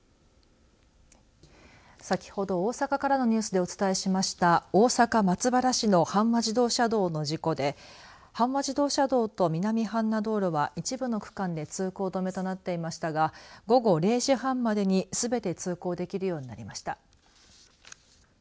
先ほど、大阪からのニュースでお伝えしました大阪松原市の阪和自動車道の事故で阪和自動車道と南阪奈道路は一部の区間で通行止めとなっていましたが午後０時半までにすべて通行できるようになりました。